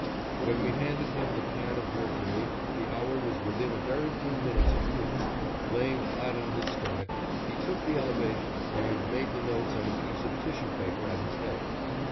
When we handed him the pan of mercury the hour was within a very few minutes of noon. Laying flat on his stomach, he took the elevation and made the notes on a piece of tissue paper at his head.